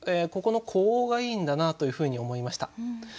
ここの呼応がいいんだなというふうに思いました。